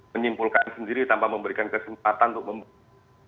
menyimpulkan sendiri tanpa memberikan kesempatan untuk membuka